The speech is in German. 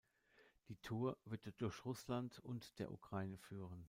Die Tour wird durch Russland und der Ukraine führen.